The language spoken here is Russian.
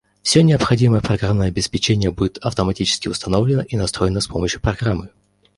Все необходимое программное обеспечение будет автоматически установлено и настроено с помощью программы